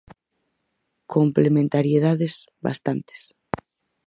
Complementariedades, bastantes.